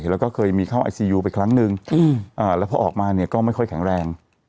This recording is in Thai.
แล้วก็เคยมีเข้าไอซียูไปครั้งนึงแล้วพอออกมาเนี่ยก็ไม่ค่อยแข็งแรง